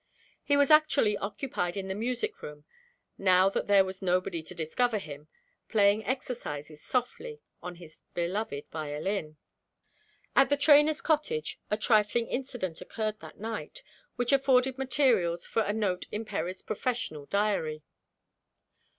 He was actually occupied in the music room now that there was nobody to discover him playing exercises softly on his beloved violin. At the trainer's cottage a trifling incident occured, that night, which afforded materials for a note in Perry's professional diary.